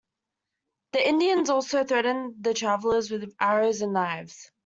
The Indians also threatened the travelers with arrows and knives.